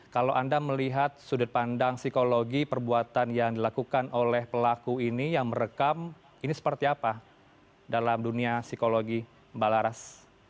kalau anda melihat sudut pandang psikologi perbuatan yang dilakukan oleh pelaku ini yang merekam ini seperti apa dalam dunia psikologi mbak laras